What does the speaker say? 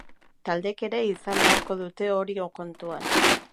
Taldeek ere izan beharko dute hori kontuan.